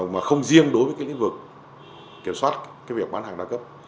mà không riêng đối với cái lĩnh vực kiểm soát việc bán hàng đa cấp